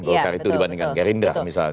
kalau kali itu dibandingkan gerinda misalnya